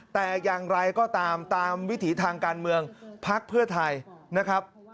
แต่อย่างไรก็ตามตามวิถีทางการเมืองพักเพื่อไทยนะครับ